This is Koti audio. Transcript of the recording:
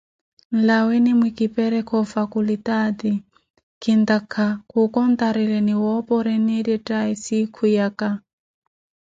Nlaweni mwikiperekhe Ofacultaati, kintakha kookontareleni woopora enettettaye sikhu yaka.